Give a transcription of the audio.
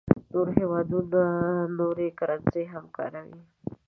نور هېوادونه نورې کرنسۍ هم کاروي.